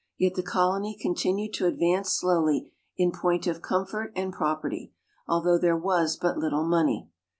Yet the colony continued to advance slowly in point of comfort and property, although there was but little money.